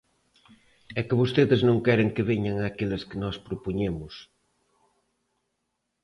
É que vostedes non queren que veñan aqueles que nós propoñemos.